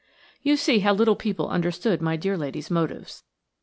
You see how little people understood my dear lady's motives.